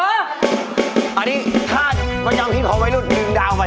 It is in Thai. เอาอันนี้ท่าพยายามพิ้นของไว้รุด๑ดาวไป